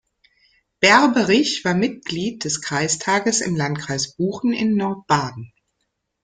Berberich war Mitglied des Kreistages im Landkreis Buchen in Nordbaden.